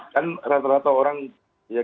kan rata rata orang ya kita ambil contoh kota besar